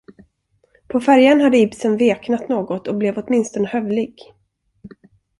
På färjan hade Ibsen veknat något och blev åtminstone hövlig.